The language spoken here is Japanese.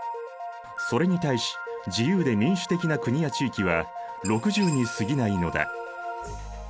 それに対し自由で民主的な国や地域は６０にすぎないのだ。